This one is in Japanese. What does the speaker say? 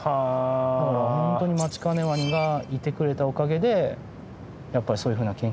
だから本当にマチカネワニがいてくれたおかげでやっぱりそういうふうな研究がすごく進んだ。